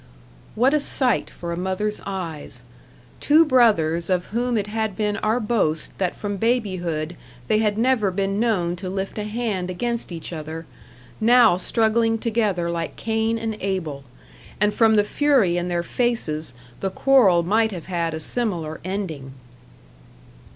What a sight for a mother's eyes. Two brothers of whom it had been our boast that from babyhood they had never been known to lift a hand against each other now struggling together like Cain and Abel. And from the fury in their faces, the quarrel might have had a similar ending.